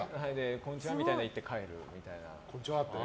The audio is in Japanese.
こんにちはみたいに言って帰るみたいな。